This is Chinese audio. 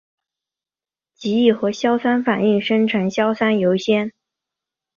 极易和硝酸反应生成硝酸铀酰。